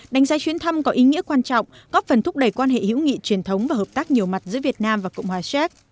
đánh giá chuyến thăm có ý nghĩa quan trọng góp phần thúc đẩy quan hệ hữu nghị truyền thống và hợp tác nhiều mặt giữa việt nam và cộng hòa séc